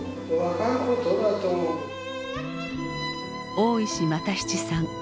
大石又七さん。